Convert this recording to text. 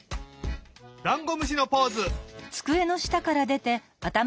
ダンゴムシのポーズ！